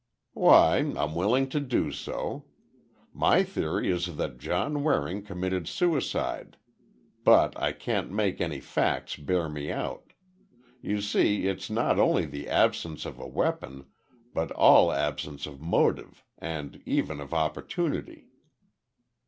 "Why, I'm willing to do so. My theory is that John Waring committed suicide, but I can't make any facts bear me out. You see, it's not only the absence of a weapon, but all absence of motive, and even of opportunity."